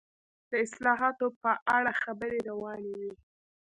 د اصلاحاتو په اړه خبرې روانې وې.